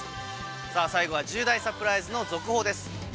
さぁ最後は１０大サプライズの続報です。